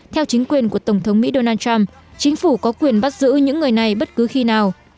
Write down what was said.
theo chính quyền của tổng thống mỹ donald trump chính phủ có quyền bắt giữ những người này bất cứ khi nào